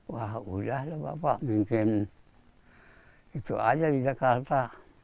wah udah lah bapak mungkin itu aja di jakarta